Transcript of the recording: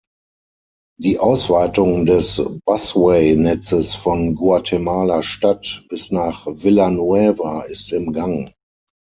Die Ausweitung des Busway-Netzes von Guatemala-Stadt bis nach Villa Nueva ist im Gang.